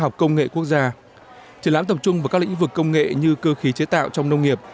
khoa học công nghệ quốc gia triển lãm tập trung vào các lĩnh vực công nghệ như cơ khí chế tạo trong nông nghiệp